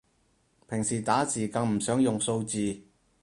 平時打字更唔想用數字